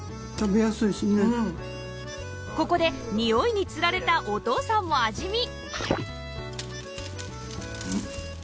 ここでにおいに釣られたお父さんも味見